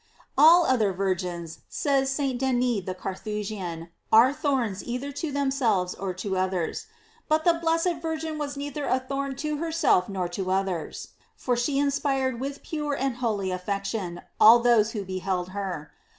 "f All other virgins, says St. Denis the Carthusian, are thorns either to them selves or to others; but the blessed Virgin was neither a thorn to herself nor to others, for she inspired with pure and holy affection all those who beheld her.